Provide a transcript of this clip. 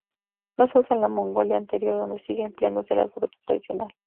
No se usa en la Mongolia Interior, donde sigue empleándose el alfabeto tradicional.